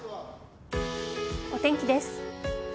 お天気です。